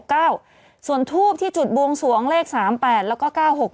ส่วนทูบที่จุดบวงสวงเลข๓๘แล้วก็๙๖๖